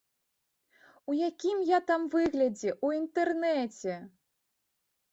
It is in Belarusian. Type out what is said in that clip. У якім я там выглядзе, у інтэрнэце!